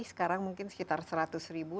sekarang mungkin sekitar seratus ribu